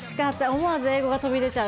思わず英語が飛び出ちゃう。